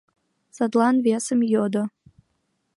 Садлан весым йодо: